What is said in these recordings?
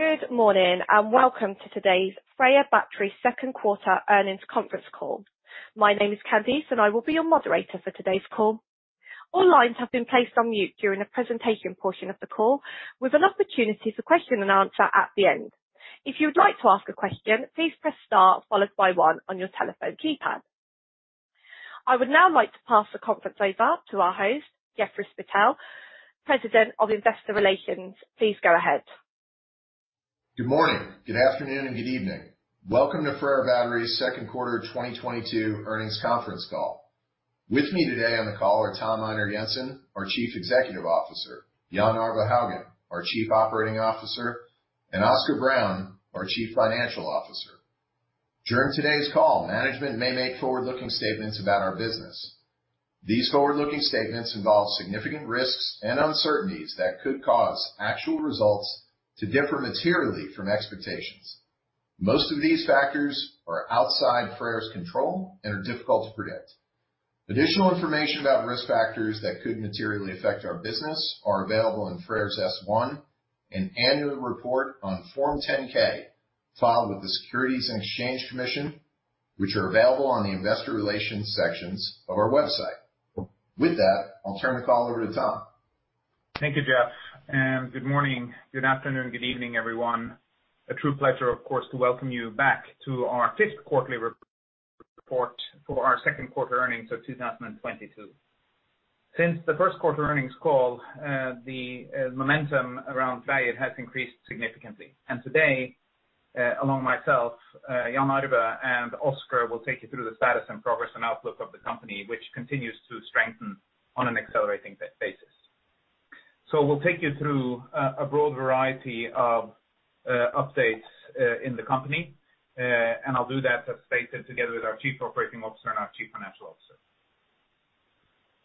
Good morning, and welcome to today's FREYR Q2 earnings conference call. My name is Candice, and I will be your moderator for today's call. All lines have been placed on mute during the presentation portion of the call, with an opportunity for question and answer at the end. If you would like to ask a question, please press star followed by one on your telephone keypad. I would now like to pass the conference over to our host, Jeffrey Spittel, President of Investor Relations. Please go ahead. Good morning, good afternoon, and good evening. Welcome to FREYR's Q2 2022 earnings conference call. With me today on the call are Tom Einar Jensen, our Chief Executive Officer, Jan Arve Haugan, our Chief Operating Officer, and Oscar Brown, our Chief Financial Officer. During today's call, management may make forward-looking statements about our business. These forward-looking statements involve significant risks and uncertainties that could cause actual results to differ materially from expectations. Most of these factors are outside FREYR's control and are difficult to predict. Additional information about risk factors that could materially affect our business are available in FREYR's S-1 and annual report on Form 10-K, filed with the Securities and Exchange Commission, which are available on the investor relations sections of our website. With that, I'll turn the call over to Tom. Thank you, Jeff, and good morning, good afternoon, good evening, everyone. A true pleasure, of course, to welcome you back to our fifth quarterly report for our Q2 earnings of 2022. Since the Q1 earnings call, the momentum around FREYR has increased significantly. Today, along with myself, Jan Arve and Oskar will take you through the status and progress and outlook of the company, which continues to strengthen on an accelerating basis. We'll take you through a broad variety of updates in the company. I'll do that, as stated, together with our Chief Operating Officer and our Chief Financial Officer.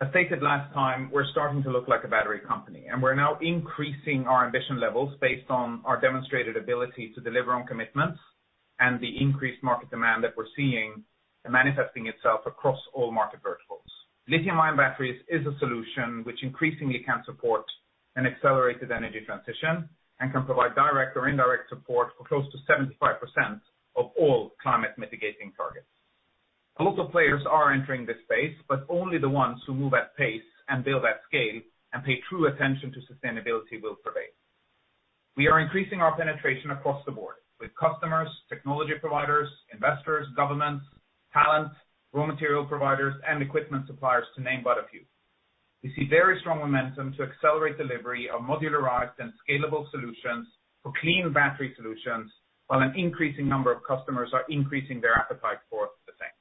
As stated last time, we're starting to look like a battery company, and we're now increasing our ambition levels based on our demonstrated ability to deliver on commitments and the increased market demand that we're seeing manifesting itself across all market verticals. Lithium-ion batteries is a solution which increasingly can support an accelerated energy transition and can provide direct or indirect support for close to 75% of all climate mitigating targets. A lot of players are entering this space, but only the ones who move at pace and build at scale and pay true attention to sustainability will prevail. We are increasing our penetration across the board with customers, technology providers, investors, governments, talent, raw material providers, and equipment suppliers, to name but a few. We see very strong momentum to accelerate delivery of modularized and scalable solutions for clean battery solutions, while an increasing number of customers are increasing their appetite for the same.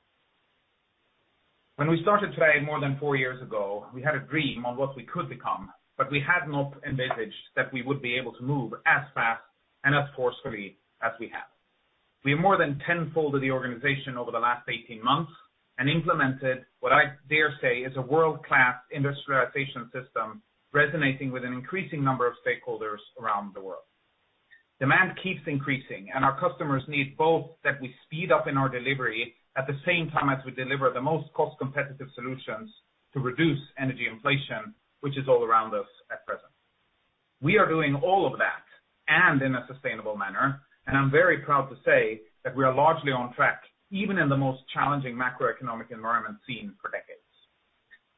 When we started FREYR more than four years ago, we had a dream on what we could become, but we had not envisaged that we would be able to move as fast and as forcefully as we have. We have more than tenfolded the organization over the last 18 months and implemented what I dare say is a world-class industrialization system, resonating with an increasing number of stakeholders around the world. Demand keeps increasing, and our customers need both that we speed up in our delivery at the same time as we deliver the most cost-competitive solutions to reduce energy inflation, which is all around us at present. We are doing all of that, and in a sustainable manner, and I'm very proud to say that we are largely on track, even in the most challenging macroeconomic environment seen for decades.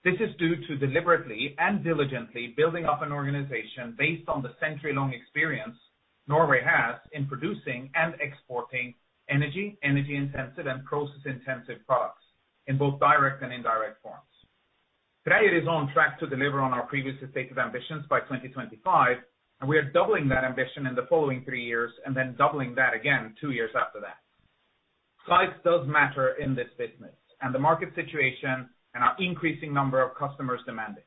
This is due to deliberately and diligently building up an organization based on the century-long experience Norway has in producing and exporting energy-intensive, and process-intensive products in both direct and indirect forms. FREYR is on track to deliver on our previous stated ambitions by 2025, and we are doubling that ambition in the following three years and then doubling that again two years after that. Size does matter in this business and the market situation and our increasing number of customers demand it.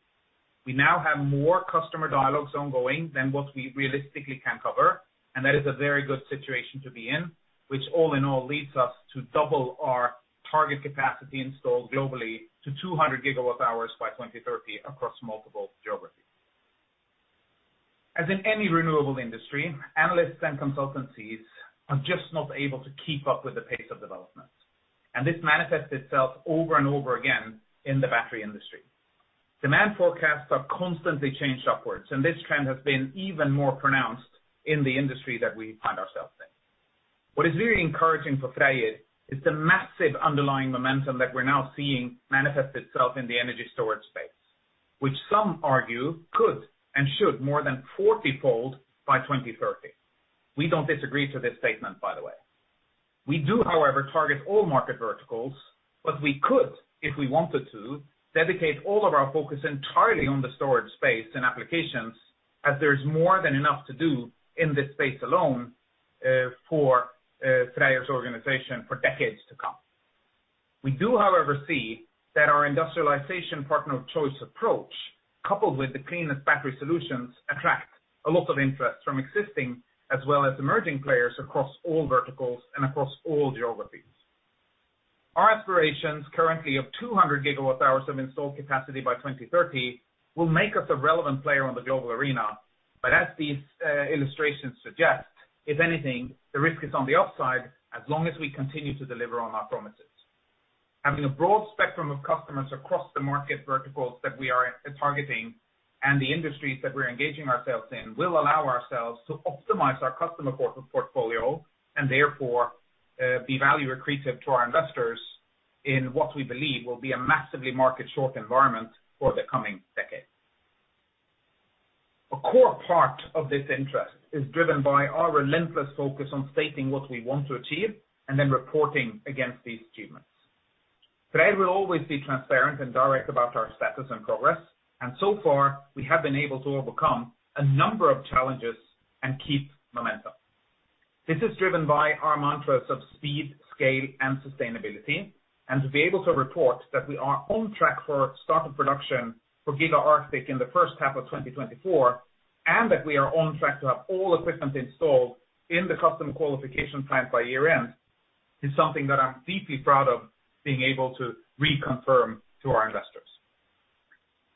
We now have more customer dialogues ongoing than what we realistically can cover, and that is a very good situation to be in, which all in all leads us to double our target capacity installed globally to 200 GWh by 2030 across multiple geographies. As in any renewable industry, analysts and consultancies are just not able to keep up with the pace of development, and this manifests itself over and over again in the battery industry. Demand forecasts are constantly changed upwards, and this trend has been even more pronounced in the industry that we find ourselves in. What is very encouraging for FREYR is the massive underlying momentum that we're now seeing manifest itself in the energy storage space, which some argue could and should more than 40-fold by 2030. We don't disagree to this statement, by the way. We do, however, target all market verticals, but we could, if we wanted to, dedicate all of our focus entirely on the storage space and applications, as there is more than enough to do in this space alone, for FREYR's organization for decades to come. We do, however, see that our industrialization partner of choice approach, coupled with the cleanest battery solutions, attract a lot of interest from existing as well as emerging players across all verticals and across all geographies. Our aspirations currently of 200 gigawatt-hours of installed capacity by 2030 will make us a relevant player on the global arena. As these illustrations suggest, if anything, the risk is on the upside as long as we continue to deliver on our promises. Having a broad spectrum of customers across the market verticals that we are targeting and the industries that we're engaging ourselves in will allow ourselves to optimize our customer portfolio and therefore be value accretive to our investors in what we believe will be a massive market shortage environment for the coming decade. A core part of this interest is driven by our relentless focus on stating what we want to achieve and then reporting against these achievements. To date, we'll always be transparent and direct about our status and progress, and so far, we have been able to overcome a number of challenges and keep momentum. This is driven by our mantras of speed, scale, and sustainability, and to be able to report that we are on track for start of production for Giga Arctic in the first half of 2024, and that we are on track to have all equipment installed in the customer qualification plant by year-end, is something that I'm deeply proud of being able to reconfirm to our investors.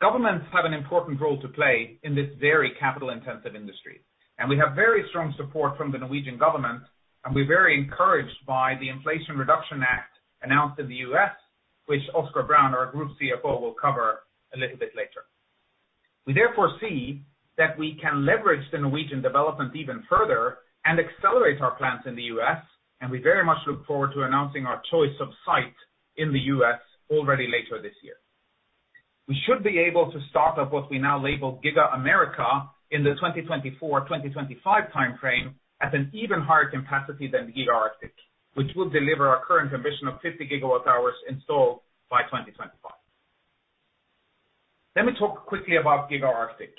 Governments have an important role to play in this very capital-intensive industry, and we have very strong support from the Norwegian government, and we're very encouraged by the Inflation Reduction Act announced in the U.S., which Oscar Brown, our Group CFO, will cover a little bit later. We therefore see that we can leverage the Norwegian development even further and accelerate our plans in the US, and we very much look forward to announcing our choice of site in the U.S. Already later this year. We should be able to start up what we now label Giga America in the 2024-2025 timeframe at an even higher capacity than Giga Arctic, which will deliver our current ambition of 50 gigawatt-hours installed by 2025. Let me talk quickly about Giga Arctic.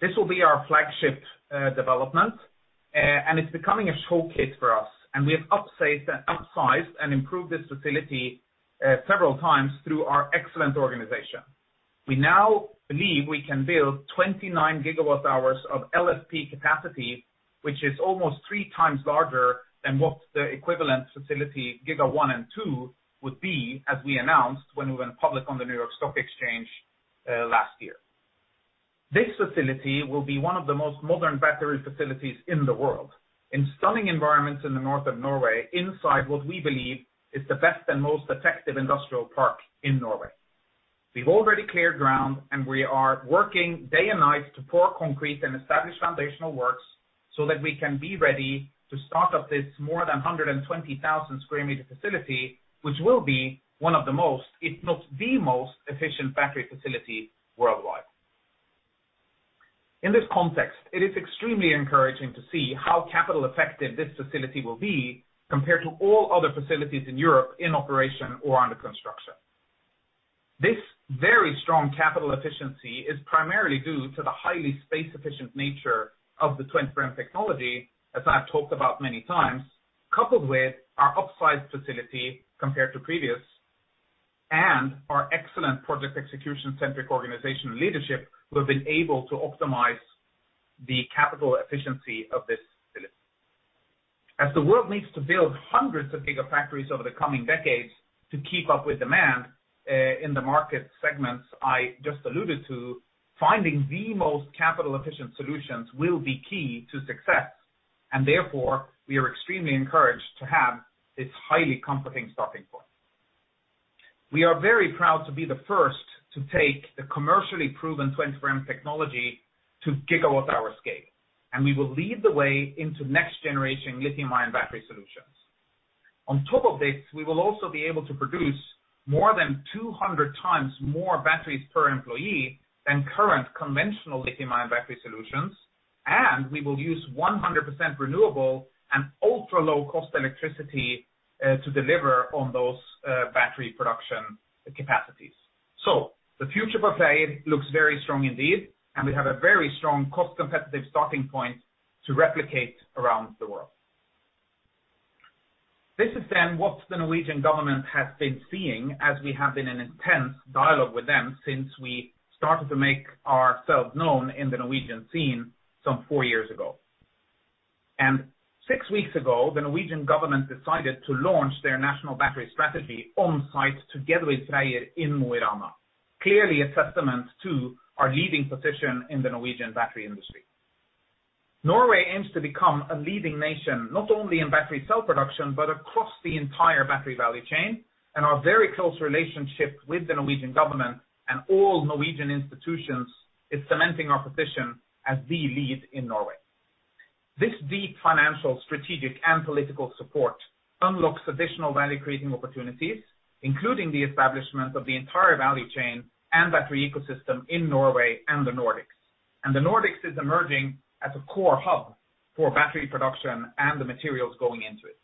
This will be our flagship development, and it's becoming a showcase for us. We have upsized and improved this facility several times through our excellent organization. We now believe we can build 29 GWh of LSP capacity, which is almost three times larger than what the equivalent facility Giga 1 and 2 would be, as we announced when we went public on the New York Stock Exchange last year. This facility will be one of the most modern battery facilities in the world, in stunning environments in the north of Norway, inside what we believe is the best and most effective industrial park in Norway. We've already cleared ground, and we are working day and night to pour concrete and establish foundational works so that we can be ready to start up this more than 120,000-square-meter facility, which will be one of the most, if not the most efficient battery facility worldwide. In this context, it is extremely encouraging to see how capital effective this facility will be compared to all other facilities in Europe in operation or under construction. This very strong capital efficiency is primarily due to the highly space-efficient nature of the twin frame technology, as I've talked about many times, coupled with our upsized facility compared to previous and our excellent project execution-centric organizational leadership who have been able to optimize the capital efficiency of this facility. As the world needs to build hundreds of gigafactories over the coming decades to keep up with demand, in the market segments I just alluded to, finding the most capital efficient solutions will be key to success, and therefore, we are extremely encouraged to have this highly comforting starting point. We are very proud to be the first to take the commercially proven twin frame technology to gigawatt-hour scale, and we will lead the way into next-generation lithium-ion battery solutions. On top of this, we will also be able to produce more than 200 times more batteries per employee than current conventional lithium-ion battery solutions, and we will use 100% renewable and ultra-low-cost electricity to deliver on those battery production capacities. The future for FREYR looks very strong indeed, and we have a very strong cost-competitive starting point to replicate around the world. This is then what the Norwegian government has been seeing as we have been in intense dialogue with them since we started to make ourselves known in the Norwegian scene some four years ago. Six weeks ago, the Norwegian government decided to launch their national battery strategy on-site together with FREYR in Mo i Rana, clearly a testament to our leading position in the Norwegian battery industry. Norway aims to become a leading nation, not only in battery cell production, but across the entire battery value chain, and our very close relationship with the Norwegian government and all Norwegian institutions is cementing our position as the lead in Norway. This deep financial, strategic, and political support unlocks additional value-creating opportunities, including the establishment of the entire value chain and battery ecosystem in Norway and the Nordics. The Nordics is emerging as a core hub for battery production and the materials going into it.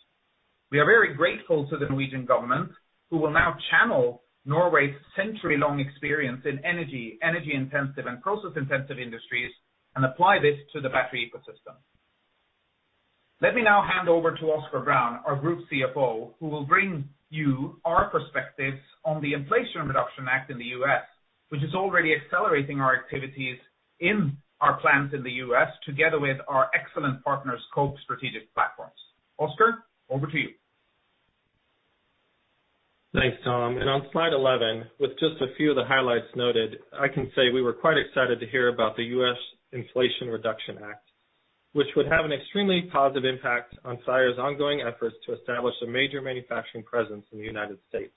We are very grateful to the Norwegian government, who will now channel Norway's century-long experience in energy-intensive and process-intensive industries and apply this to the battery ecosystem. Let me now hand over to Oscar Brown, our Group CFO, who will bring you our perspectives on the Inflation Reduction Act in the U.S., which is already accelerating our activities in our plants in the U.S. together with our excellent partner, Koch Strategic Platforms. Oscar, over to you. Thanks, Tom. On Slide 11, with just a few of the highlights noted, I can say we were quite excited to hear about the U.S. Inflation Reduction Act, which would have an extremely positive impact on FREYR's ongoing efforts to establish a major manufacturing presence in the United States.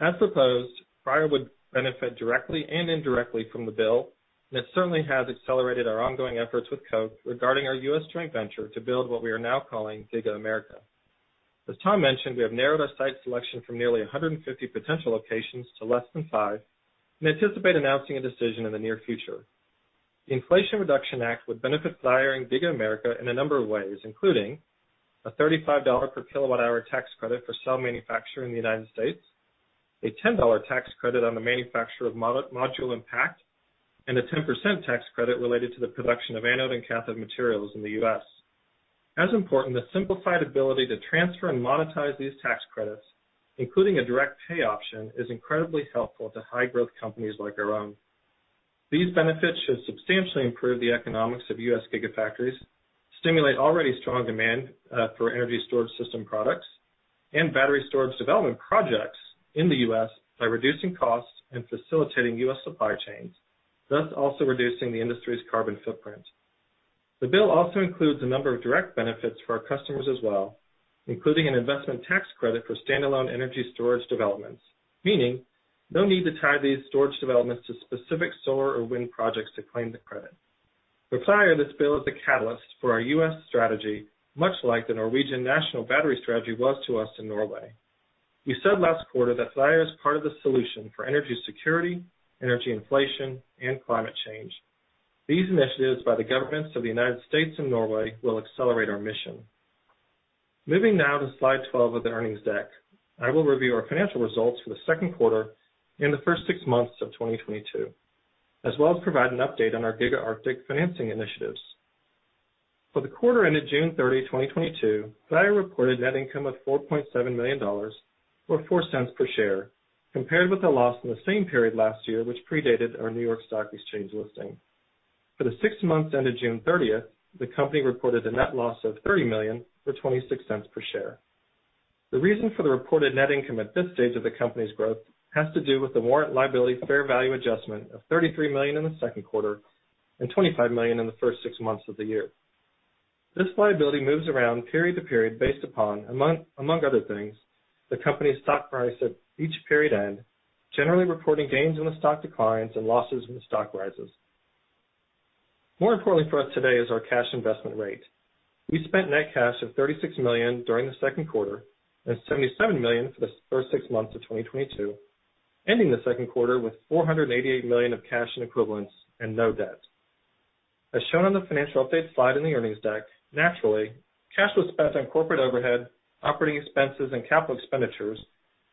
As proposed, FREYR would benefit directly and indirectly from the bill, and it certainly has accelerated our ongoing efforts with Koch regarding our U.S. joint venture to build what we are now calling Giga America. As Tom mentioned, we have narrowed our site selection from nearly 150 potential locations to less than 5, and anticipate announcing a decision in the near future. The Inflation Reduction Act would benefit FREYR and Giga America in a number of ways, including a $35 per kWh tax credit for cell manufacture in the United States, a $10 tax credit on the manufacture of module and pack, and a 10% tax credit related to the production of anode and cathode materials in the U.S. As important, the simplified ability to transfer and monetize these tax credits, including a direct pay option, is incredibly helpful to high-growth companies like our own. These benefits should substantially improve the economics of U.S. gigafactories, stimulate already strong demand for energy storage system products, and battery storage development projects in the U.S. by reducing costs and facilitating U.S. supply chains, thus also reducing the industry's carbon footprint. The bill also includes a number of direct benefits for our customers as well, including an investment tax credit for standalone energy storage developments, meaning no need to tie these storage developments to specific solar or wind projects to claim the credit. For FREYR, this bill is a catalyst for our U.S. strategy, much like the Norwegian National Battery strategy was to us in Norway. We said last quarter that FREYR is part of the solution for energy security, energy inflation, and climate change. These initiatives by the governments of the United States and Norway will accelerate our mission. Moving now to Slide 12 of the earnings deck. I will review our financial results for the Q2 and the first six months of 2022, as well as provide an update on our Giga Arctic financing initiatives. For the quarter ended June 30, 2022, FREYR reported net income of $4.7 million, or $0.04 per share, compared with a loss in the same period last year, which predated our New York Stock Exchange listing. For the six months ended June 30, the company reported a net loss of $30 million, or $0.26 per share. The reason for the reported net income at this stage of the company's growth has to do with the warrant liability fair value adjustment of $33 million in the Q2 and $25 million in the first six months of the year. This liability moves around period to period based upon among other things, the company's stock price at each period-end, generally reporting gains when the stock declines and losses when the stock rises. More importantly for us today is our cash position. We spent net cash of $36 million during the Q2 and $77 million for the first six months of 2022, ending the Q2 with $488 million of cash and equivalents and no debt. As shown on the financial update slide in the earnings deck, naturally, cash was spent on corporate overhead, operating expenses, and capital expenditures,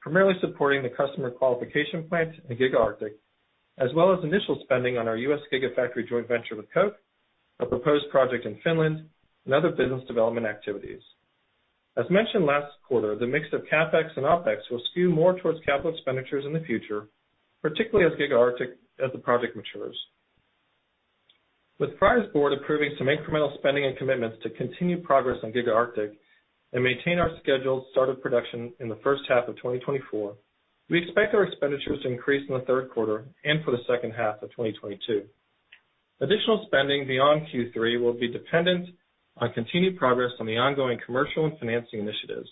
primarily supporting the customer qualification plant and Giga Arctic, as well as initial spending on our US Gigafactory joint venture with Koch, a proposed project in Finland, and other business development activities. As mentioned last quarter, the mix of CapEx and OpEx will skew more towards capital expenditures in the future, particularly as Giga Arctic matures. With FREYR's board approving some incremental spending and commitments to continue progress on Giga Arctic and maintain our scheduled start of production in the first half of 2024, we expect our expenditures to increase in the Q3 and for the second half of 2022. Additional spending beyond Q3 will be dependent on continued progress on the ongoing commercial and financing initiatives.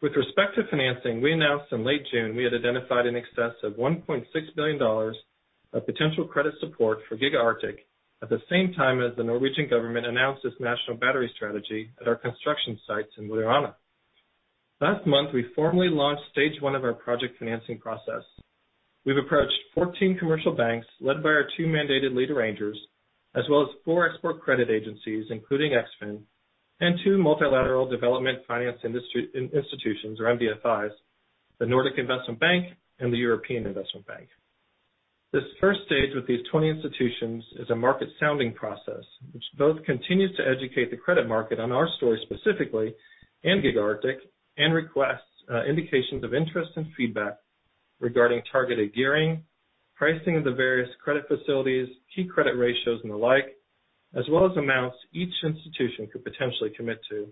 With respect to financing, we announced in late June we had identified in excess of $1.6 billion of potential credit support for Giga Arctic at the same time as the Norwegian government announced its national battery strategy at our construction sites in Mo i Rana. Last month, we formally launched stage one of our project financing process. We've approached 14 commercial banks led by our two mandated lead arrangers, as well as four export credit agencies, including Eksfin, and two multilateral development finance institutions, or MDFIs, the Nordic Investment Bank and the European Investment Bank. This first stage with these 20 institutions is a market sounding process, which both continues to educate the credit market on our story specifically and Giga Arctic, and requests indications of interest and feedback regarding targeted gearing, pricing of the various credit facilities, key credit ratios and the like, as well as amounts each institution could potentially commit to,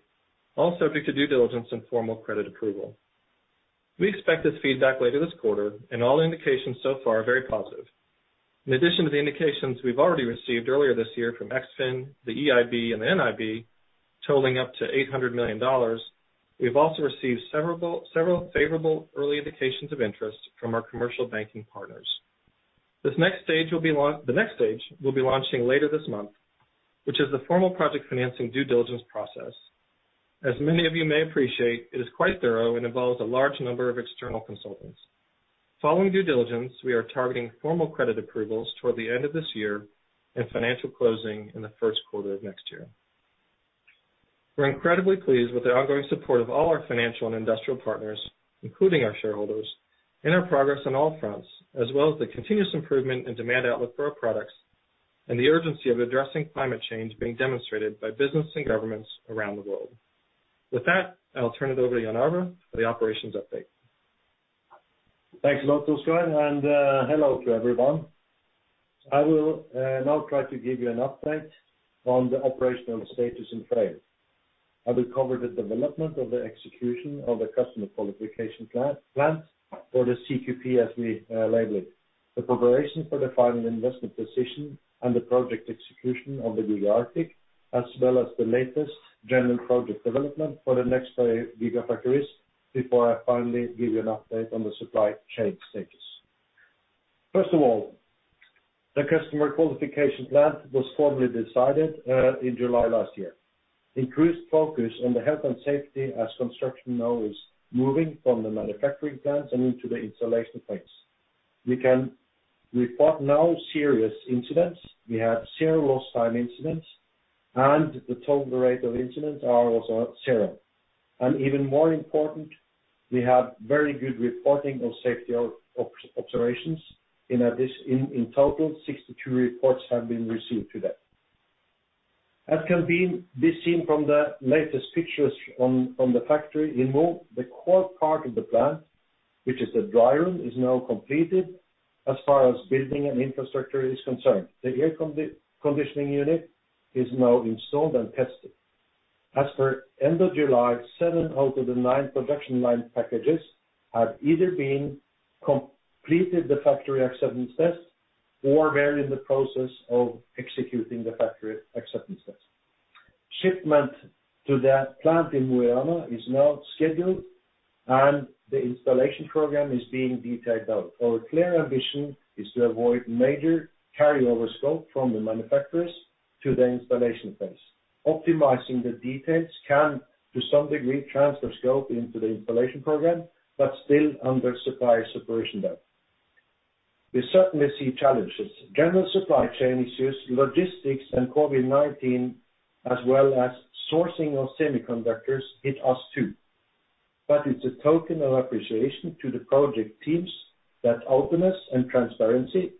all subject to due diligence and formal credit approval. We expect this feedback later this quarter, and all indications so far are very positive. In addition to the indications we've already received earlier this year from Eksfin, the EIB, and the NIB, totaling up to $800 million, we've also received several favorable early indications of interest from our commercial banking partners. The next stage we'll be launching later this month, which is the formal project financing due diligence process. As many of you may appreciate, it is quite thorough and involves a large number of external consultants. Following due diligence, we are targeting formal credit approvals toward the end of this year and financial closing in the Q1 of next year. We're incredibly pleased with the ongoing support of all our financial and industrial partners, including our shareholders, in our progress on all fronts, as well as the continuous improvement in demand outlook for our products and the urgency of addressing climate change being demonstrated by business and governments around the world. With that, I'll turn it over to Jan Arve for the operations update. Thanks a lot, Oscar, and hello to everyone. I will now try to give you an update on the operational status in FREYR. I will cover the development of the execution of the customer qualification plan for the CQP as we label it. The preparation for the final investment decision and the project execution of the Giga Arctic, as well as the latest general project development for the next gigafactories before I finally give you an update on the supply chain status. First of all, the customer qualification plan was formally decided in July last year. Increased focus on the health and safety as construction now is moving from the manufacturing plants and into the installation phase. We can report no serious incidents. We have zero lost time incidents, and the total rate of incidents are also zero. Even more important, we have very good reporting of safety observations. In total, 62 reports have been received to date. As can be seen from the latest pictures from the factory in Mo, the core part of the plant, which is the dry room, is now completed as far as building and infrastructure is concerned. The air conditioning unit is now installed and tested. As per end of July, 7 out of the 9 production line packages have either been completed the factory acceptance test or they're in the process of executing the factory acceptance test. Shipment to the plant in Mo i Rana is now scheduled, and the installation program is being detailed out. Our clear ambition is to avoid major carryover scope from the manufacturers to the installation phase. Optimizing the details can, to some degree, transfer scope into the installation program, but still under supplier supervision, though. We certainly see challenges. General supply chain issues, logistics, and COVID-19, as well as sourcing of semiconductors hit us too. It's a token of appreciation to the project teams that openness and transparency,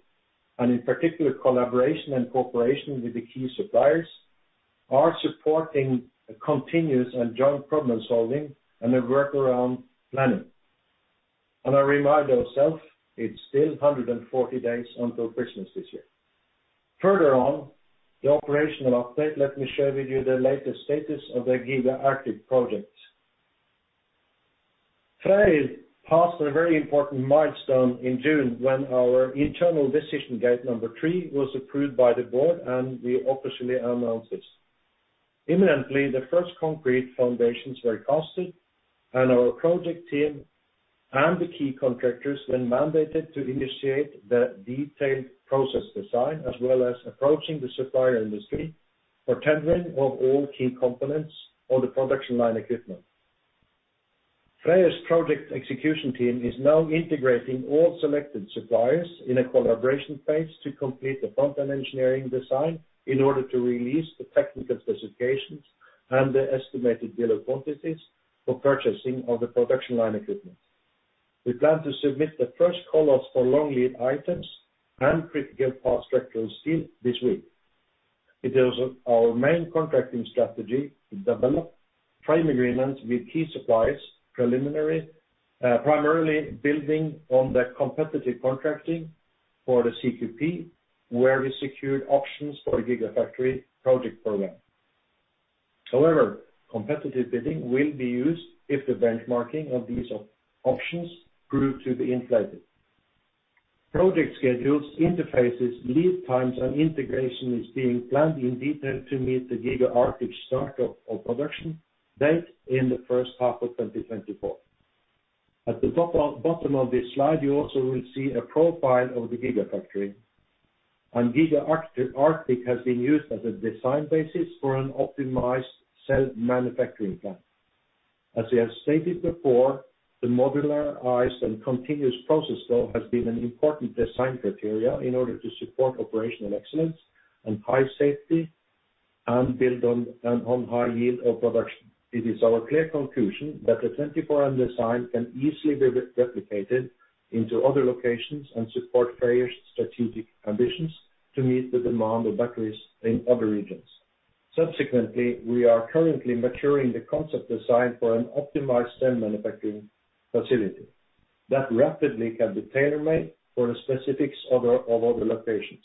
and in particular, collaboration and cooperation with the key suppliers, are supporting a continuous and joint problem-solving and a workaround planning. I remind ourselves, it's still 140 days until Christmas this year. Further on the operational update, let me share with you the latest status of the Giga Arctic project. FREYR passed a very important milestone in June when our internal decision gate number three was approved by the board, and we officially announced this. Immediately, the first concrete foundations were cast and our project team and the key contractors were mandated to initiate the detailed process design, as well as approaching the supplier industry for tendering of all key components of the production line equipment. FREYR's project execution team is now integrating all selected suppliers in a collaboration phase to complete the front-end engineering design in order to release the technical specifications and the estimated bill of quantities for purchasing of the production line equipment. We plan to submit the first callouts for long lead items and critical path structural steel this week. It is our main contracting strategy to develop frame agreements with key suppliers, preliminary, primarily building on the competitive contracting for the CQP, where we secured options for the gigafactory project program. However, competitive bidding will be used if the benchmarking of these options prove to be inflated. Project schedules, interfaces, lead times, and integration is being planned in detail to meet the Giga Arctic start of production date in the first half of 2024. At the top of bottom of this slide, you also will see a profile of the gigafactory. Giga Arctic has been used as a design basis for an optimized cell manufacturing plant. As we have stated before, the modularized and continuous process, though, has been an important design criteria in order to support operational excellence and high safety and build on high yield of production. It is our clear conclusion that the 24M design can easily be replicated into other locations and support various strategic ambitions to meet the demand of batteries in other regions. Subsequently, we are currently maturing the concept design for an optimized cell manufacturing facility that rapidly can be tailor-made for the specifics of other locations.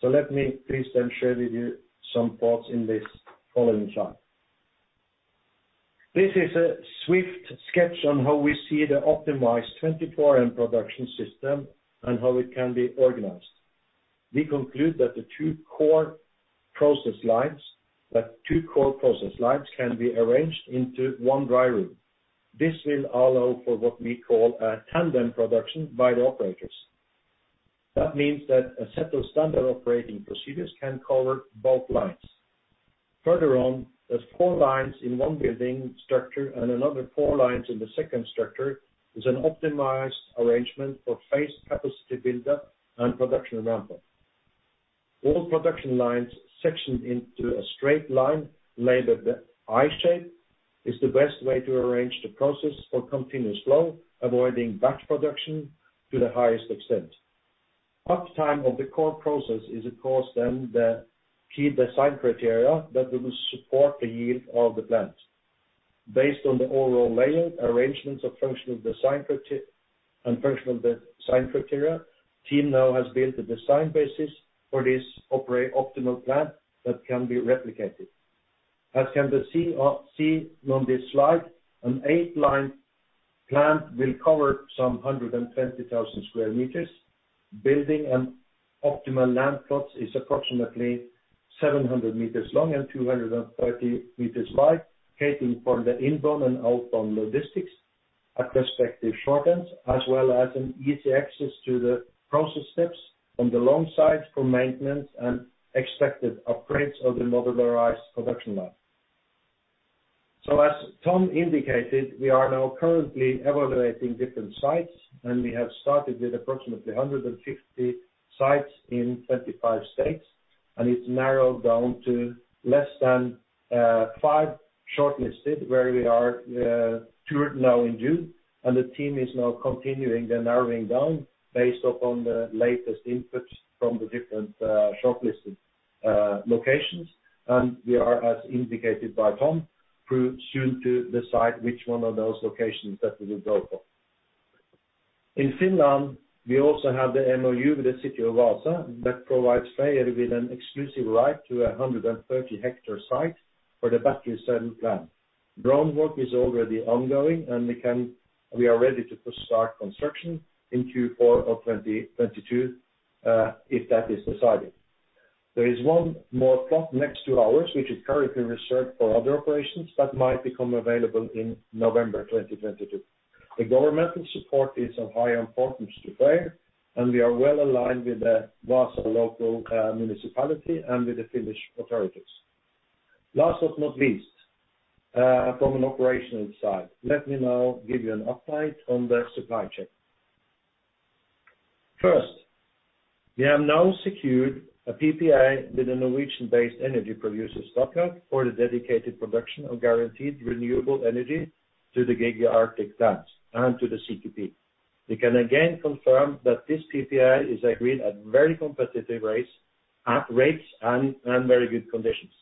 Let me please then share with you some thoughts in this following slide. This is a swift sketch on how we see the optimized 24M production system and how it can be organized. We conclude that the two core process lines can be arranged into one dry room. This will allow for what we call a tandem production by the operators. That means that a set of standard operating procedures can cover both lines. Further on, there's four lines in one building structure and another four lines in the second structure is an optimized arrangement for phased capacity buildup and production ramp-up. All production lines sectioned into a straight line labeled the I-shape is the best way to arrange the process for continuous flow, avoiding batch production to the highest extent. Uptime of the core process is, of course, the key design criteria that will support the yield of the plant. Based on the overall layout, arrangements of functional design criteria, team now has built a design basis for this optimal plant that can be replicated. As can be seen on this slide, an eight-line plant will cover some 120,000 square meters. Building an optimal land plots is approximately 700 meters long and 230 meters wide, catering for the inbound and outbound logistics at respective short ends, as well as an easy access to the process steps on the long side for maintenance and expected upgrades of the modularized production line. As Tom indicated, we are now currently evaluating different sites, and we have started with approximately 150 sites in 25 states, and it's narrowed down to less than 5 shortlisted where we are touring now in June, and the team is now continuing the narrowing down based upon the latest inputs from the different shortlisted locations. We are, as indicated by Tom, pretty soon to decide which one of those locations that we will go for. In Finland, we also have the MoU with the City of Vaasa that provides FREYR with an exclusive right to a 130 hectare site for the battery cell plant. Groundwork is already ongoing, and we are ready to push start construction in Q4 of 2022, if that is decided. There is one more plot next to ours, which is currently reserved for other operations that might become available in November 2022. The governmental support is of high importance to FREYR, and we are well aligned with the Vaasa local municipality and with the Finnish authorities. Last but not least, from an operational side, let me now give you an update on the supply chain. First, we have now secured a PPA with a Norwegian-based energy producer, Statkraft, for the dedicated production of guaranteed renewable energy to the Giga Arctic plant and to the CQP. We can again confirm that this PPA is agreed at very competitive rates and very good conditions.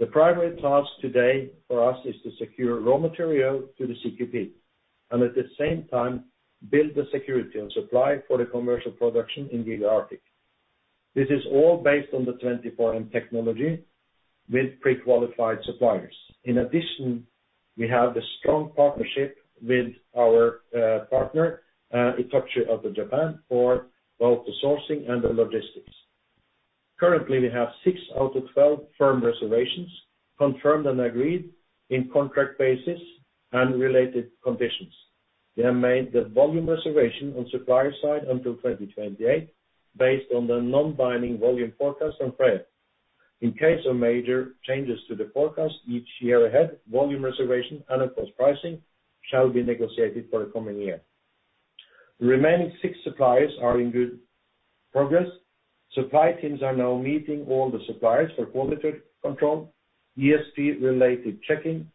The primary task today for us is to secure raw material to the CQP, and at the same time, build the security and supply for the commercial production in Giga Arctic. This is all based on the 24M technology with pre-qualified suppliers. In addition, we have the strong partnership with our partner ITOCHU of Japan for both the sourcing and the logistics. Currently, we have 6 out of 12 firm reservations confirmed and agreed on contract basis and related conditions. We have made the volume reservation on supplier side until 2028 based on the non-binding volume forecast on FREYR. In case of major changes to the forecast each year ahead, volume reservation and of course pricing shall be negotiated for the coming year. The remaining six suppliers are in good progress. Supply teams are now meeting all the suppliers for quality control, ESG-related checking,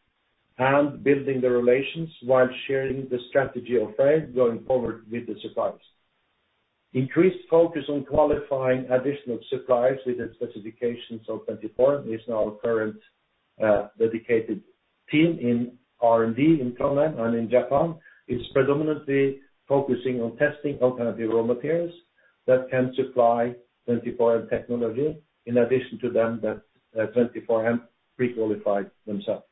and building the relations while sharing the strategy of FREYR going forward with the suppliers. Increased focus on qualifying additional suppliers with the specifications of 24M is now a current, dedicated team in R&D in Trondheim and in Japan, is predominantly focusing on testing alternative raw materials that can supply 24M technology in addition to them that, 24M pre-qualified themselves.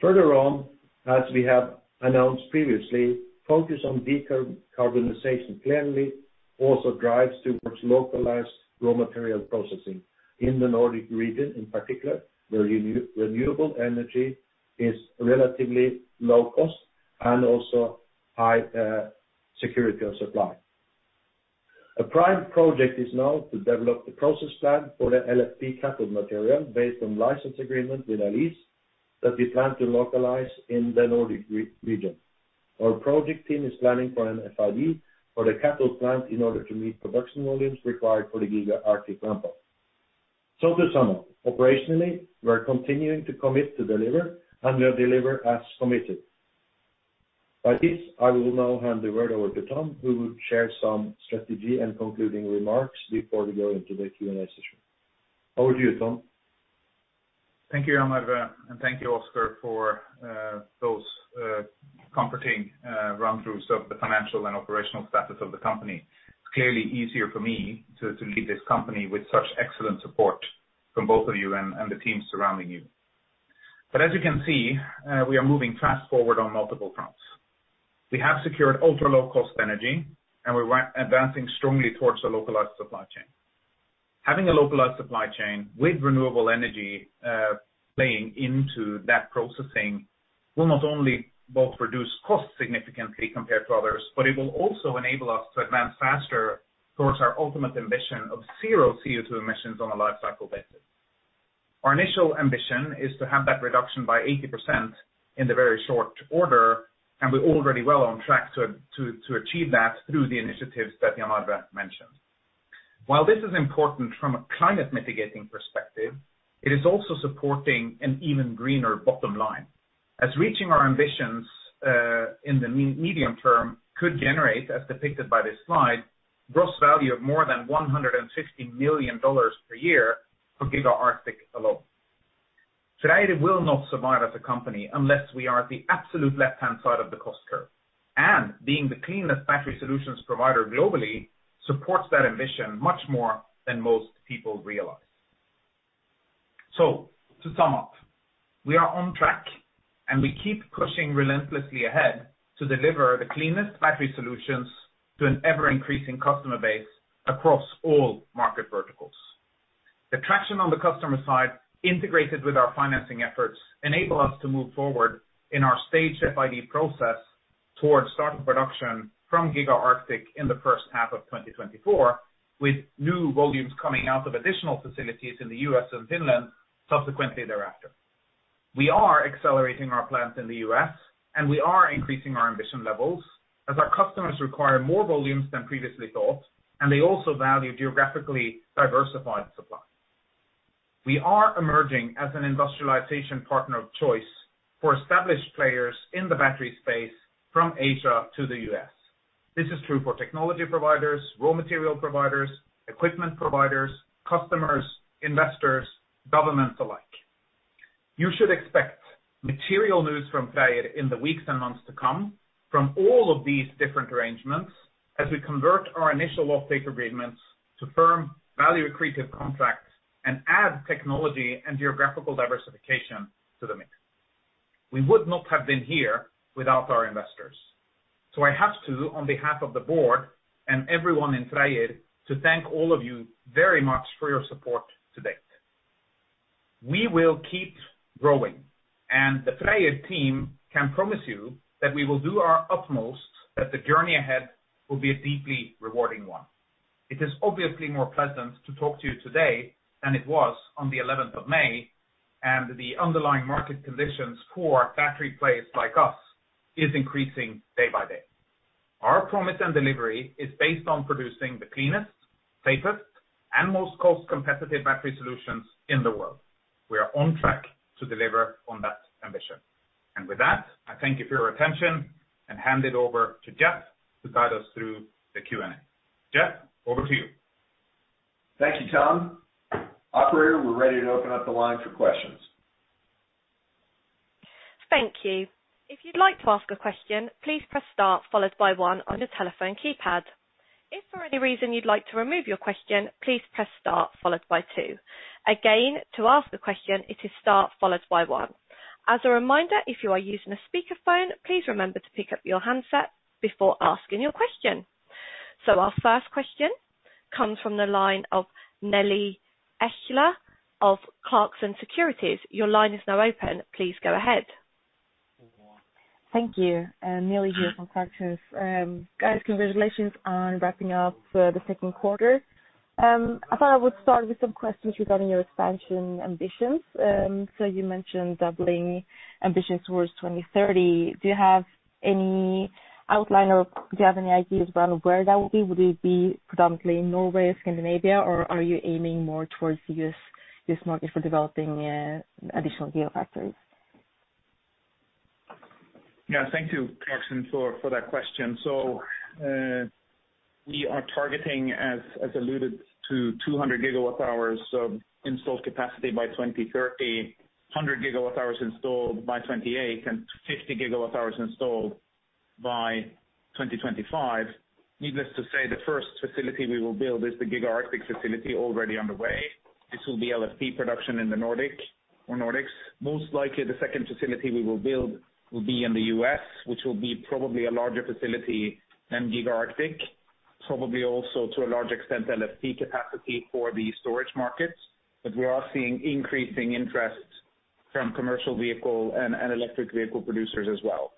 Furthermore, as we have announced previously, focus on decarbonization clearly also drives towards localized raw material processing in the Nordic region in particular, where renewable energy is relatively low cost and also high, security of supply. A prime project is now to develop the process plan for the LFP cathode material based on license agreement with Aleees that we plan to localize in the Nordic region. Our project team is planning for an FID for the cathode plant in order to meet production volumes required for the Giga Arctic ramp-up. To sum up, operationally, we are continuing to commit to deliver, and we'll deliver as committed. By this, I will now hand the word over to Tom, who will share some strategy and concluding remarks before we go into the Q&A session. Over to you, Tom. Thank you, Jan-Arve, and thank you, Oskar, for those comforting run-throughs of the financial and operational status of the company. It's clearly easier for me to lead this company with such excellent support from both of you and the teams surrounding you. As you can see, we are moving fast forward on multiple fronts. We have secured ultra-low-cost energy, and we're advancing strongly towards a localized supply chain. Having a localized supply chain with renewable energy playing into that processing will not only both reduce costs significantly compared to others, but it will also enable us to advance faster towards our ultimate ambition of zero CO2 emissions on a life cycle basis. Our initial ambition is to have that reduction by 80% in the very short order, and we're already well on track to achieve that through the initiatives that Jan-Arve mentioned. While this is important from a climate mitigating perspective, it is also supporting an even greener bottom line. Our reaching our ambitions in the medium term could generate, as depicted by this slide, gross value of more than $150 million per year for Giga Arctic alone. Today, we will not survive as a company unless we are at the absolute left-hand side of the cost curve. Being the cleanest battery solutions provider globally supports that ambition much more than most people realize. To sum up, we are on track, and we keep pushing relentlessly ahead to deliver the cleanest battery solutions to an ever-increasing customer base across all market verticals. The traction on the customer side, integrated with our financing efforts, enable us to move forward in our stage FID process towards starting production from Giga Arctic in the first half of 2024, with new volumes coming out of additional facilities in the U.S. and Finland subsequently thereafter. We are accelerating our plans in the U.S., and we are increasing our ambition levels as our customers require more volumes than previously thought, and they also value geographically diversified supply. We are emerging as an industrialization partner of choice for established players in the battery space from Asia to the U.S. This is true for technology providers, raw material providers, equipment providers, customers, investors, governments alike. You should expect material news from FREYR in the weeks and months to come from all of these different arrangements as we convert our initial offtake agreements to firm value accretive contracts and add technology and geographical diversification to the mix. We would not have been here without our investors. I have to, on behalf of the board and everyone in FREYR, to thank all of you very much for your support to date. We will keep growing, and the FREYR team can promise you that we will do our utmost, that the journey ahead will be a deeply rewarding one. It is obviously more pleasant to talk to you today than it was on the eleventh of May, and the underlying market conditions for battery players like us is increasing day by day. Our promise and delivery is based on producing the cleanest, safest, and most cost-competitive battery solutions in the world. We are on track to deliver on that ambition. With that, I thank you for your attention and hand it over to Jeff to guide us through the Q&A. Jeff, over to you. Thank you, Tom. Operator, we're ready to open up the line for questions. Thank you. If you'd like to ask a question, please press star followed by one on your telephone keypad. If for any reason you'd like to remove your question, please press star followed by two. Again, to ask the question, it is star followed by one. As a reminder, if you are using a speakerphone, please remember to pick up your handset before asking your question. Our first question comes from the line of Nils Thommesen of Clarksons Securities. Your line is now open. Please go ahead. Thank you. Nils Thommesen here from Clarksons. Guys, congratulations on wrapping up the Q2. I thought I would start with some questions regarding your expansion ambitions. You mentioned doubling ambitions towards 2030. Do you have any outline or do you have any idea as well where that will be? Will it be predominantly in Norway or Scandinavia, or are you aiming more towards the U.S., U.S. market for developing additional giga factories? Yeah. Thank you, Clarksons, for that question. We are targeting, as alluded to, 200 gigawatt hours of installed capacity by 2030, 100 gigawatt hours installed by 2028, and 50 gigawatt hours installed by 2025. Needless to say, the first facility we will build is the Giga Arctic facility already underway. This will be LFP production in the Nordic or Nordics. Most likely the second facility we will build will be in the U.S., which will be probably a larger facility than Giga Arctic, probably also to a large extent, LFP capacity for the storage markets. We are seeing increasing interest from commercial vehicle and electric vehicle producers as well.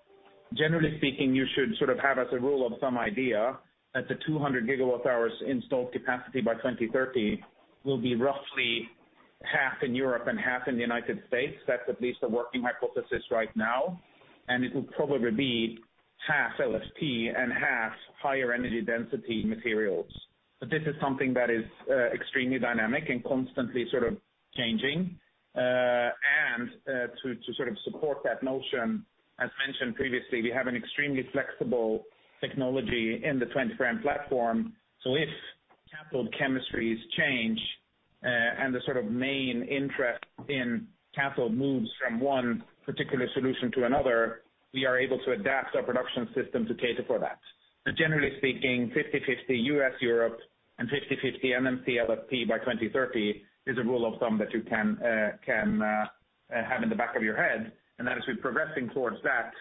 Generally speaking, you should sort of have as a rule of some idea that the 200 GWh installed capacity by 2030 will be roughly half in Europe and half in the United States. That's at least a working hypothesis right now, and it will probably be half LFP and half higher energy density materials. This is something that is extremely dynamic and constantly sort of changing. To sort of support that notion, as mentioned previously, we have an extremely flexible technology in the 24M platform. If cathode chemistries change, and the sort of main interest in cathode moves from one particular solution to another, we are able to adapt our production system to cater for that. Generally speaking, 50/50 U.S./Europe and 50/50 NMC/LFP by 2030 is a rule of thumb that you can have in the back of your head. Then as we're progressing towards that,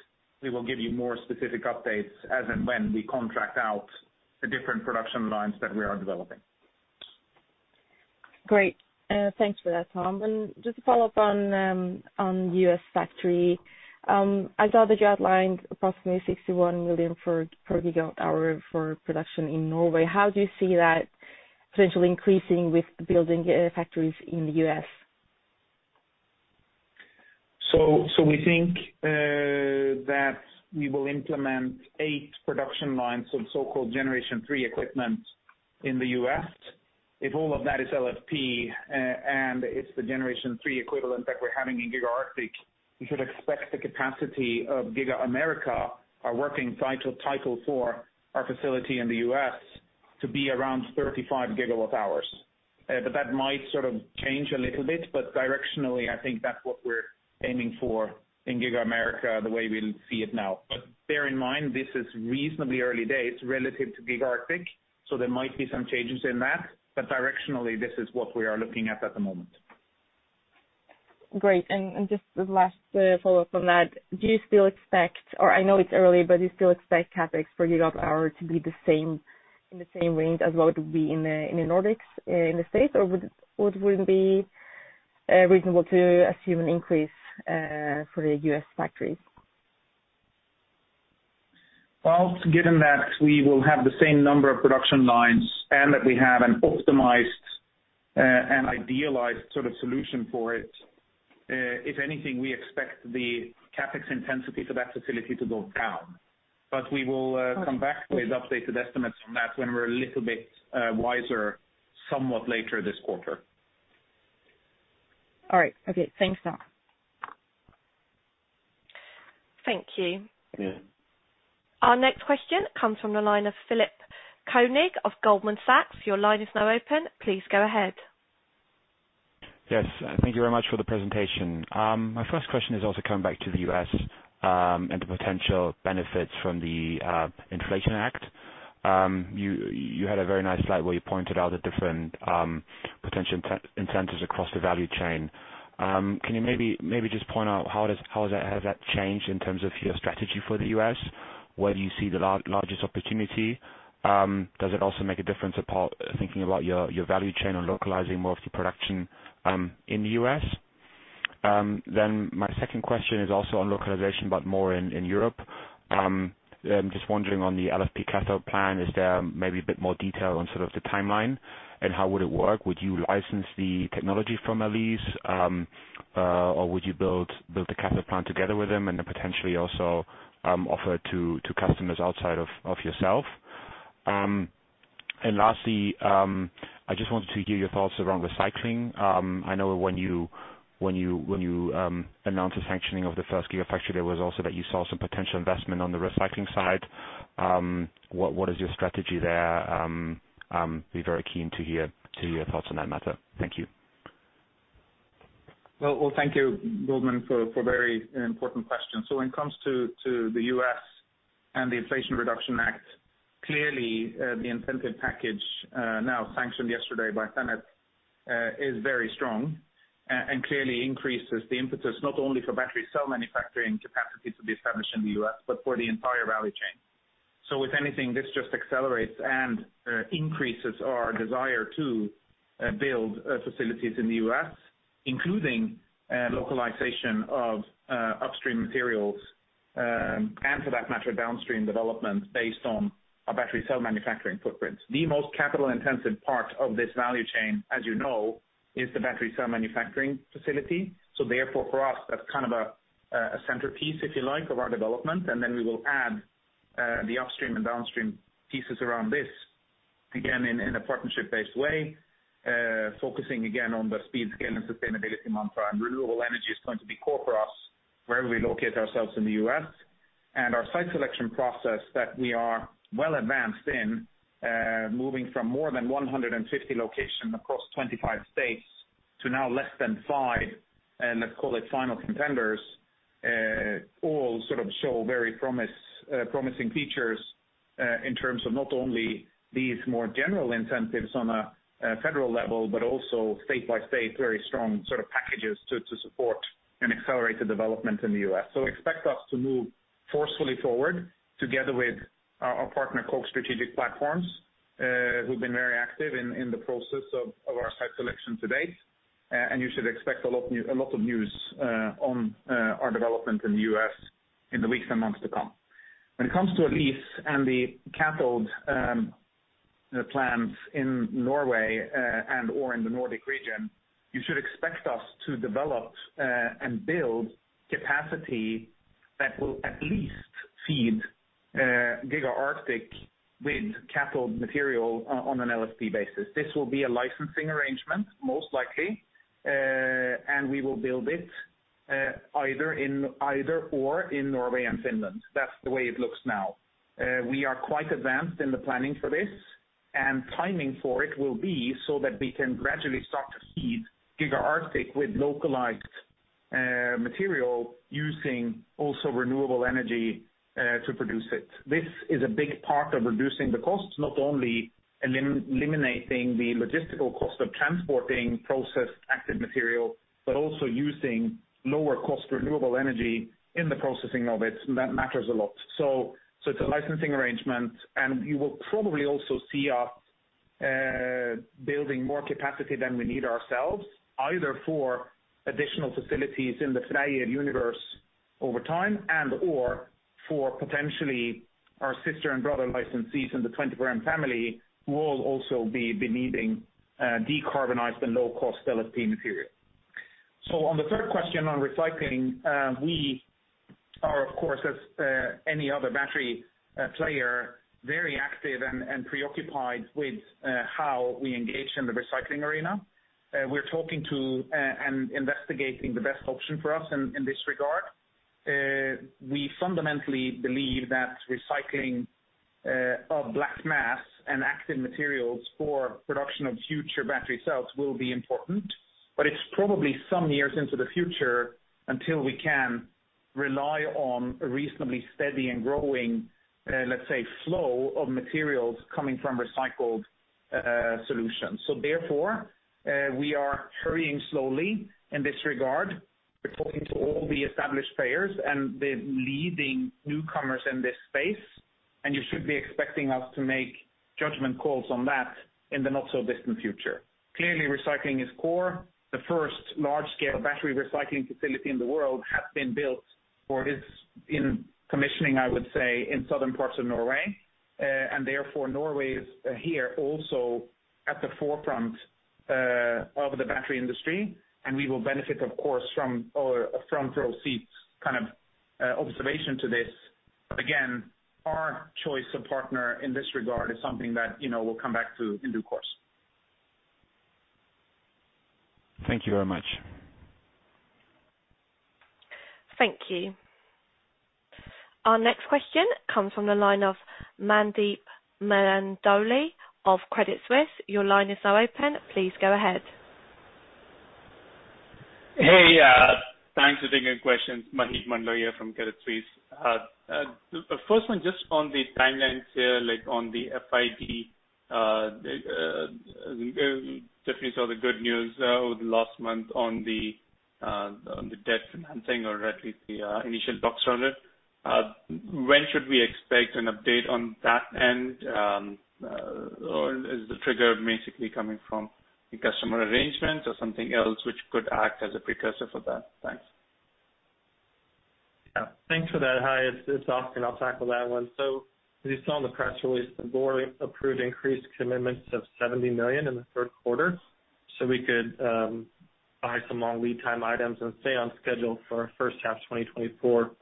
we will give you more specific updates as and when we contract out the different production lines that we are developing. Great. Thanks for that, Tom. Just to follow up on U.S. factory, I saw that you outlined approximately $61 million per gigawatt hour for production in Norway. How do you see that potentially increasing with building factories in the U.S.? We think that we will implement eight production lines of so-called Generation 3 equipment in the U.S. If all of that is LFP, and it's the Generation 3 equivalent that we're having in Giga Arctic, you should expect the capacity of Giga America, our working title for our facility in the U.S., to be around 35 GWh. That might sort of change a little bit, but directionally, I think that's what we're aiming for in Giga America, the way we see it now. Bear in mind, this is reasonably early days relative to Giga Arctic, so there might be some changes in that, but directionally, this is what we are looking at the moment. Great. Just the last follow-up on that, do you still expect or I know it's early, but do you still expect CapEx per gigawatt hour to be the same, in the same range as what would be in the Nordics, in the States? Or would it be reasonable to assume an increase for the U.S. factories? Well, given that we will have the same number of production lines and that we have an optimized and idealized sort of solution for it, if anything, we expect the CapEx intensity for that facility to go down. We will come back. Okay. with updated estimates on that when we're a little bit wiser somewhat later this quarter. All right. Okay. Thanks a lot. Thank you. Yeah. Our next question comes from the line of Philipp Koenig of Goldman Sachs. Your line is now open. Please go ahead. Yes. Thank you very much for the presentation. My first question is also coming back to the U.S., and the potential benefits from the Inflation Reduction Act. You had a very nice slide where you pointed out the different potential incentives across the value chain. Can you maybe just point out how has that changed in terms of your strategy for the U.S.? Where do you see the largest opportunity? Does it also make a difference upon thinking about your value chain and localizing more of the production in the U.S.? My second question is also on localization, but more in Europe. I'm just wondering on the LFP cathode plan, is there maybe a bit more detail on sort of the timeline and how would it work? Would you license the technology from Aleees, or would you build the cathode plant together with them and then potentially also offer to customers outside of yourself? Lastly, I just wanted to hear your thoughts around recycling. I know when you announced the sanctioning of the first giga factory, there was also that you saw some potential investment on the recycling side. What is your strategy there? I'd be very keen to hear your thoughts on that matter. Thank you. Well, thank you, Goldman, for a very important question. When it comes to the U.S. and the Inflation Reduction Act, clearly the incentive package now sanctioned yesterday by the Senate is very strong and clearly increases the impetus not only for battery cell manufacturing capacity to be established in the U.S., but for the entire value chain. If anything, this just accelerates and increases our desire to build facilities in the U.S., including localization of upstream materials and for that matter, downstream development based on a battery cell manufacturing footprint. The most capital-intensive part of this value chain, as you know, is the battery cell manufacturing facility. Therefore, for us, that's kind of a centerpiece, if you like, of our development. We will add the upstream and downstream pieces around this, again, in a partnership-based way, focusing again on the speed, scale, and sustainability mantra. Renewable energy is going to be core for us wherever we locate ourselves in the U.S. Our site selection process that we are well advanced in, moving from more than 150 locations across 25 states to now less than 5, and let's call it final contenders, all sort of show promising features, in terms of not only these more general incentives on a federal level, but also state by state, very strong sort of packages to support and accelerate the development in the U.S. Expect us to move forcefully forward together with our partner, Koch Strategic Platforms, who've been very active in the process of our site selection to date. You should expect a lot of news on our development in the U.S. in the weeks and months to come. When it comes to Aleees and the cathode plants in Norway and/or in the Nordic region, you should expect us to develop and build capacity that will at least feed Giga Arctic with cathode material on an LFP basis. This will be a licensing arrangement, most likely, and we will build it either in Norway or in Finland. That's the way it looks now. We are quite advanced in the planning for this, and timing for it will be so that we can gradually start to feed Giga Arctic with localized material using also renewable energy to produce it. This is a big part of reducing the costs, not only eliminating the logistical cost of transporting processed active material, but also using lower cost renewable energy in the processing of it. That matters a lot. It's a licensing arrangement, and you will probably also see us building more capacity than we need ourselves, either for additional facilities in the FREYR universe over time and/or for potentially our sister and brother licensees in the 24M family, who will also be needing decarbonized and low-cost LFP material. On the third question on recycling, we are of course, as any other battery player, very active and preoccupied with how we engage in the recycling arena. We're talking to and investigating the best option for us in this regard. We fundamentally believe that recycling of black mass and active materials for production of future battery cells will be important, but it's probably some years into the future until we can rely on a reasonably steady and growing, let's say, flow of materials coming from recycled solutions. Therefore, we are hurrying slowly in this regard. We're talking to all the established players and the leading newcomers in this space, and you should be expecting us to make judgment calls on that in the not so distant future. Clearly, recycling is core. The first large-scale battery recycling facility in the world has been built or is in commissioning, I would say, in southern parts of Norway. Therefore, Norway is here also at the forefront of the battery industry, and we will benefit, of course, from our front row seats kind of observation to this. Again, our choice of partner in this regard is something that, you know, we'll come back to in due course. Thank you very much. Thank you. Our next question comes from the line of Maheep Mandloi of Credit Suisse. Your line is now open. Please go ahead. Hey, thanks for taking the question. Maheep Mandloi from Credit Suisse. The first one just on the timelines here, like on the FID. Definitely saw the good news over the last month on the debt financing or at least the initial talks on it. When should we expect an update on that end? Is the trigger basically coming from the customer arrangements or something else which could act as a precursor for that? Thanks. Yeah. Thanks for that. Hi, it's Oscar and I'll tackle that one. As you saw in the press release, the board approved increased commitments of $70 million in the Q3, so we could buy some long lead time items and stay on schedule for first half 2024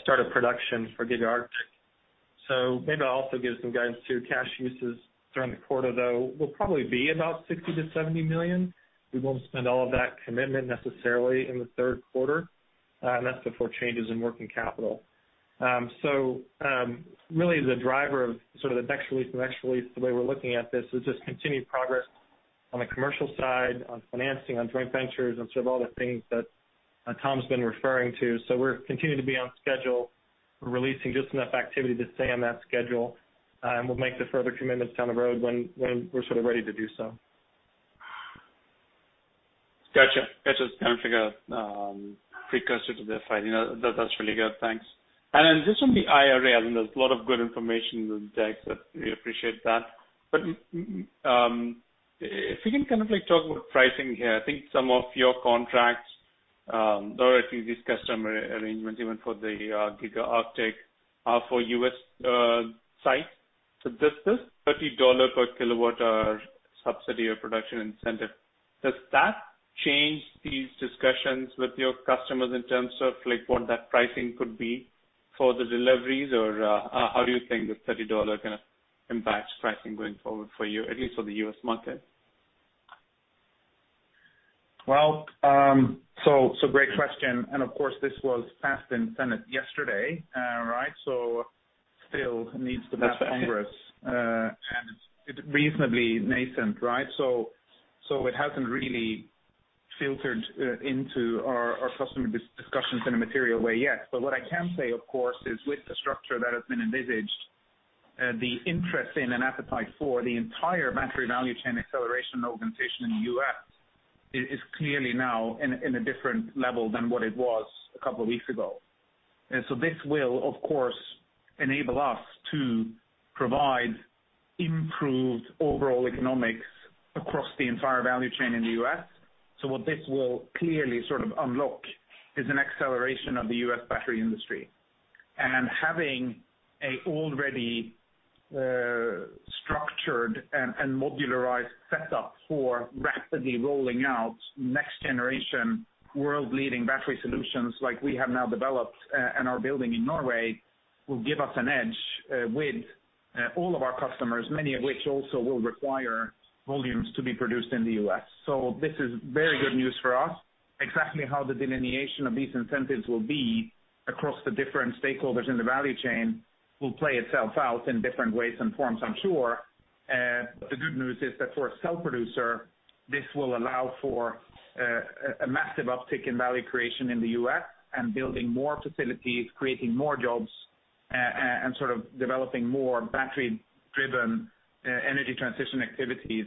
start of production for Giga Arctic. Maybe I'll also give some guidance to cash uses during the quarter, though, will probably be about $60 million-$70 million. We won't spend all of that commitment necessarily in the Q3, and that's before changes in working capital. Really the driver of sort of the next release, the way we're looking at this is just continued progress on the commercial side, on financing, on joint ventures, on sort of all the things that Tom's been referring to. We're continuing to be on schedule. We're releasing just enough activity to stay on that schedule, and we'll make the further commitments down the road when we're sort of ready to do so. Gotcha. It's kind of like a precursor to the fight. You know, that's really good. Thanks. Then just on the IRA, I mean, there's a lot of good information in the decks that we appreciate that. If we can kind of like talk about pricing here, I think some of your contracts, or at least this customer arrangement even for the Giga Arctic, for U.S. sites. This is $30 per kWh subsidy or production incentive. Does that change these discussions with your customers in terms of like what that pricing could be for the deliveries? Or how do you think the $30 gonna impact pricing going forward for you, at least for the U.S. market? Well, great question. Of course, this was passed in Senate yesterday, right? Still needs to pass Congress. That's right. It's reasonably nascent, right? It hasn't really filtered into our customer discussions in a material way yet. What I can say, of course, is with the structure that has been envisaged, the interest in and appetite for the entire battery value chain acceleration organization in the U.S. is clearly now in a different level than what it was a couple of weeks ago. This will, of course, enable us to provide improved overall economics across the entire value chain in the U.S. What this will clearly sort of unlock is an acceleration of the U.S. battery industry. Having already structured and modularized set up for rapidly rolling out next generation world-leading battery solutions like we have now developed and are building in Norway will give us an edge with all of our customers, many of which also will require volumes to be produced in the U.S. This is very good news for us. Exactly how the delineation of these incentives will be across the different stakeholders in the value chain will play itself out in different ways and forms, I'm sure. The good news is that for a cell producer, this will allow for a massive uptick in value creation in the U.S. and building more facilities, creating more jobs, and sort of developing more battery-driven energy transition activities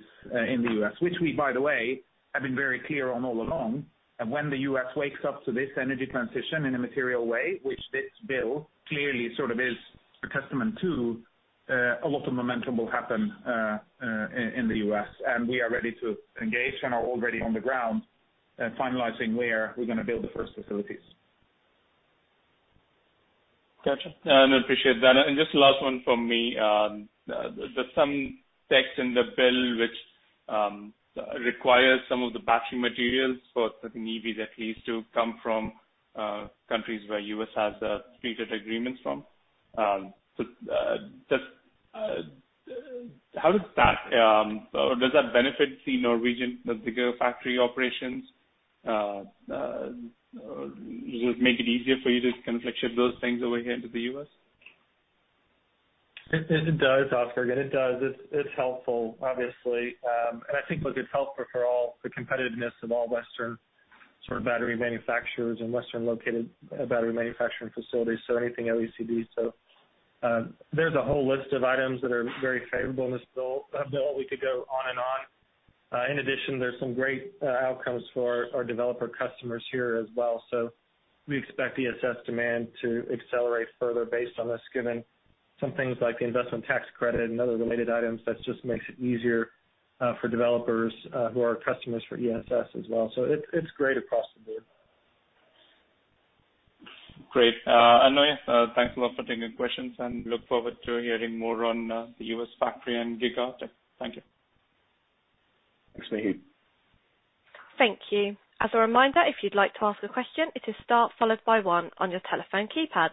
in the U.S., which we, by the way, have been very clear on all along. When the U.S. wakes up to this energy transition in a material way, which this bill clearly sort of is a testament to, a lot of momentum will happen in the U.S. We are ready to engage and are already on the ground finalizing where we're gonna build the first facilities. Gotcha. No, I appreciate that. Just the last one from me, some text in the bill which requires some of the battery materials for I think EVs at least to come from countries where U.S. has free trade agreements. How does that or does that benefit the Norwegian Giga factory operations? Would make it easier for you to kind of like ship those things over here into the U.S.? It does, Oscar. It does. It's helpful, obviously. I think look, it's helpful for all the competitiveness of all Western sort of battery manufacturers and Western located battery manufacturing facilities, so anything OECD. There's a whole list of items that are very favorable in this bill. We could go on and on. In addition, there's some great outcomes for our developer customers here as well. We expect ESS demand to accelerate further based on this, given some things like the investment tax credit and other related items that just makes it easier for developers who are customers for ESS as well. It's great across the board. Great. Thanks a lot for taking questions, and look forward to hearing more on the U.S. factory and giga tech. Thank you. Thanks, Maheep. Thank you. As a reminder, if you'd like to ask a question, it is star followed by one on your telephone keypad.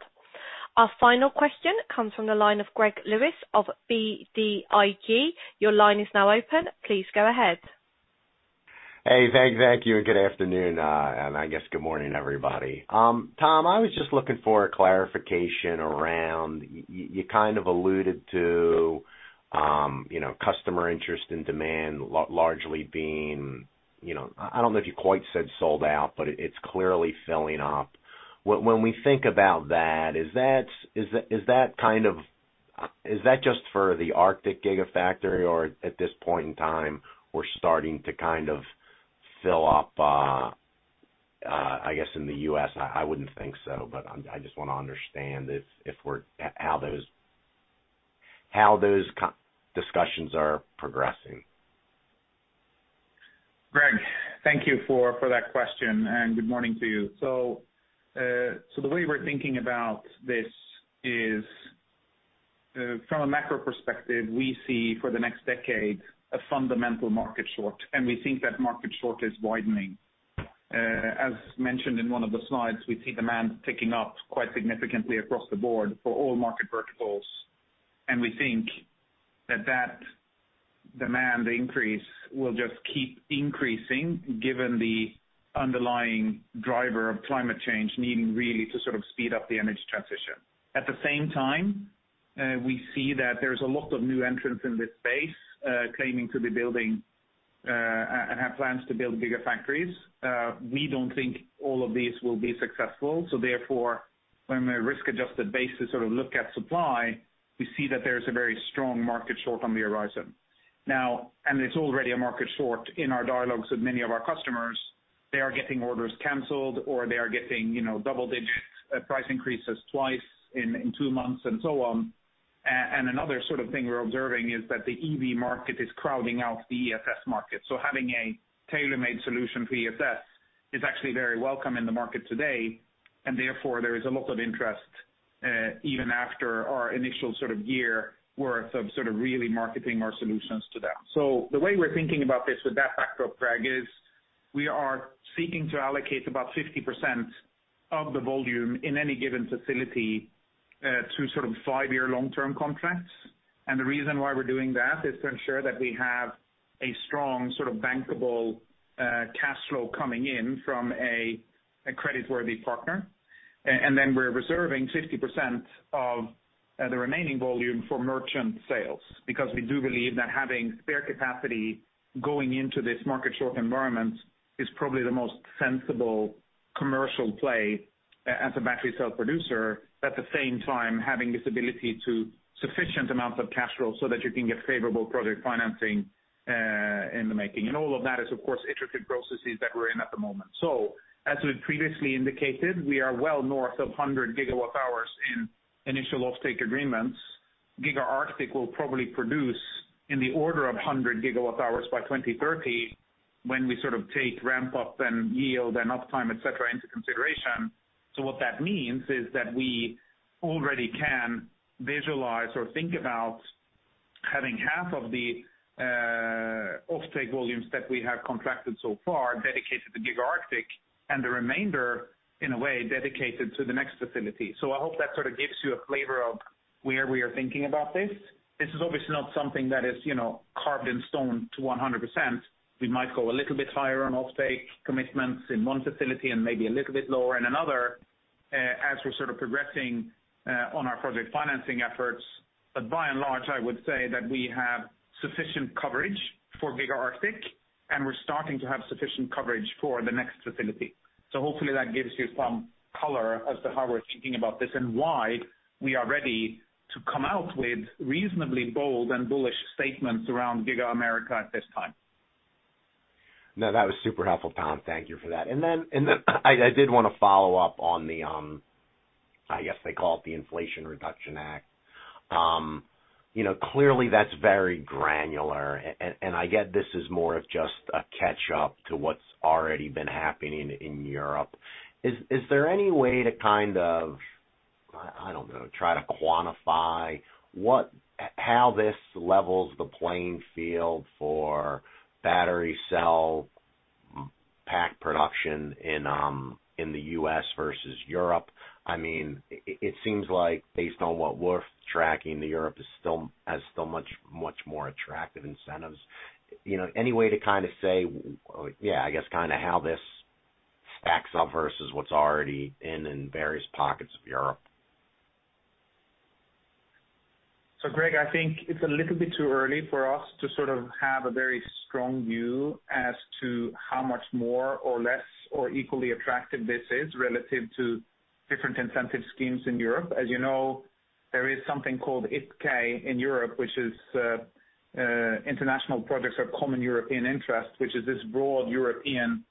Our final question comes from the line of Gregory Lewis of BTIG. Your line is now open. Please go ahead. Hey, thank you and good afternoon, and I guess good morning, everybody. Tom, I was just looking for a clarification around you kind of alluded to, you know, customer interest and demand largely being, you know, I don't know if you quite said sold out, but it's clearly filling up. When we think about that, is that kind of? Is that just for the Arctic Gigafactory or at this point in time we're starting to kind of fill up, I guess in the U.S.? I wouldn't think so, but I just wanna understand how those discussions are progressing. Greg, thank you for that question, and good morning to you. The way we're thinking about this is, from a macro perspective, we see for the next decade a fundamental market shortage, and we think that market shortage is widening. As mentioned in one of the slides, we see demand ticking up quite significantly across the board for all market verticals, and we think that demand increase will just keep increasing given the underlying driver of climate change needing really to sort of speed up the energy transition. At the same time, we see that there's a lot of new entrants in this space, claiming to be building and have plans to build Giga factories. We don't think all of these will be successful, so therefore, when we risk-adjusted basis sort of look at supply, we see that there's a very strong market short on the horizon. It's already a market short in our dialogues with many of our customers. They are getting orders canceled or they are getting, you know, double-digit price increases twice in two months and so on. Another sort of thing we're observing is that the EV market is crowding out the ESS market. Having a tailor-made solution for ESS is actually very welcome in the market today, and therefore, there is a lot of interest even after our initial sort of year worth of sort of really marketing our solutions to them. The way we're thinking about this with that backdrop, Greg, is we are seeking to allocate about 50% of the volume in any given facility to sort of five-year long-term contracts. The reason why we're doing that is to ensure that we have a strong sort of bankable cash flow coming in from a creditworthy partner. Then we're reserving 50% of the remaining volume for merchant sales because we do believe that having spare capacity going into this market short environment is probably the most sensible commercial play as a battery cell producer. At the same time, having this ability to sufficient amounts of cash flow so that you can get favorable project financing in the making. All of that is of course intricate processes that we're in at the moment. As we previously indicated, we are well north of 100 gigawatt hours in initial off-take agreements. Giga Arctic will probably produce in the order of 100 gigawatt hours by 2030 when we sort of take ramp up and yield and uptime, et cetera, into consideration. What that means is that we already can visualize or think about having half of the off-take volumes that we have contracted so far dedicated to Giga Arctic and the remainder, in a way, dedicated to the next facility. I hope that sort of gives you a flavor of where we are thinking about this. This is obviously not something that is, you know, carved in stone to 100%. We might go a little bit higher on off-take commitments in one facility and maybe a little bit lower in another, as we're sort of progressing, on our project financing efforts. By and large, I would say that we have sufficient coverage for Giga Arctic, and we're starting to have sufficient coverage for the next facility. Hopefully that gives you some color as to how we're thinking about this and why we are ready to come out with reasonably bold and bullish statements around Giga America at this time. No, that was super helpful, Tom. Thank you for that. I did wanna follow up on the, I guess they call it the Inflation Reduction Act. You know, clearly that's very granular. I get this is more of just a catch-up to what's already been happening in Europe. Is there any way to kind of, I don't know, try to quantify how this levels the playing field for battery cell pack production in the U.S. versus Europe? I mean, it seems like based on what we're tracking, Europe is still has much more attractive incentives. You know, any way to kind of say, yeah, I guess kind of how this stacks up versus what's already in various pockets of Europe. Greg, I think it's a little bit too early for us to sort of have a very strong view as to how much more or less or equally attractive this is relative to different incentive schemes in Europe. As you know, there is something called IPCEI in Europe, which is Important Project of Common European Interest, which is this broad European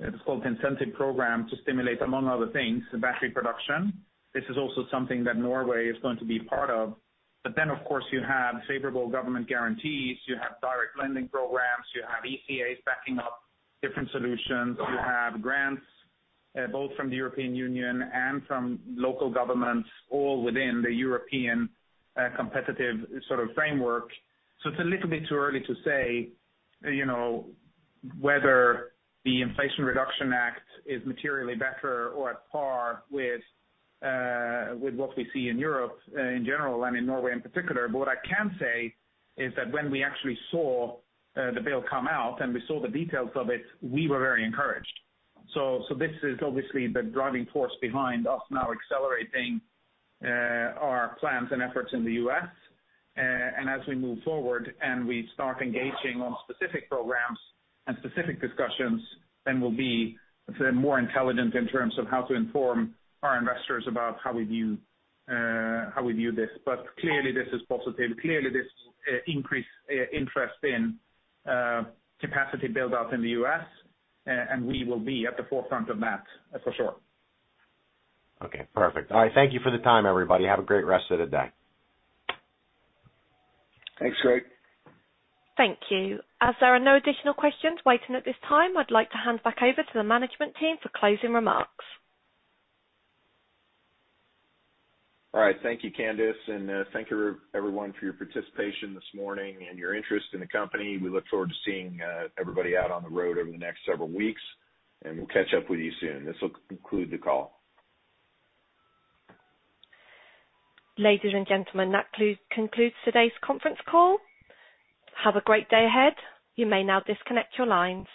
incentive program to stimulate, among other things, battery production. This is also something that Norway is going to be part of. Of course, you have favorable government guarantees. You have direct lending programs. You have ECAs backing up different solutions. You have grants, both from the European Union and from local governments, all within the European competitive sort of framework. It's a little bit too early to say, you know, whether the Inflation Reduction Act is materially better or at par with what we see in Europe in general and in Norway in particular. What I can say is that when we actually saw the bill come out and we saw the details of it, we were very encouraged. This is obviously the driving force behind us now accelerating our plans and efforts in the U.S. As we move forward and we start engaging on specific programs and specific discussions, then we'll be more intelligent in terms of how to inform our investors about how we view this. Clearly this is positive. Clearly, this increase in interest in capacity build-out in the U.S., and we will be at the forefront of that, for sure. Okay, perfect. All right. Thank you for the time, everybody. Have a great rest of the day. Thanks, Greg. Thank you. As there are no additional questions waiting at this time, I'd like to hand back over to the management team for closing remarks. All right. Thank you, Candice, and thank you everyone for your participation this morning and your interest in the company. We look forward to seeing everybody out on the road over the next several weeks, and we'll catch up with you soon. This will conclude the call. Ladies and gentlemen, that concludes today's conference call. Have a great day ahead. You may now disconnect your lines.